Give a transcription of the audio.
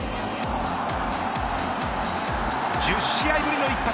１０試合ぶりの一発。